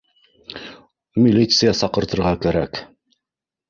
Ми лиция саҡыртырға кәрәк